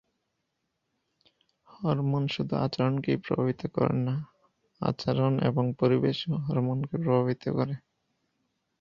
Hormone শুধু আচরণকেই প্রভাবিত করে না, আচরণ এবং পরিবেশও হরমোনকে প্রভাবিত করে।